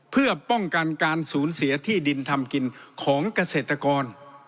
เพื่อป้องกันการสูญเสียที่ดินทำกินของเกษตรกร